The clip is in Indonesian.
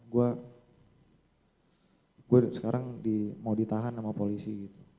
gue sekarang mau ditahan sama polisi gitu